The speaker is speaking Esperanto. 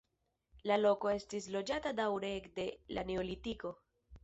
La loko estis loĝata daŭre ekde la neolitiko.